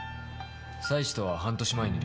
妻子とは半年前に離婚。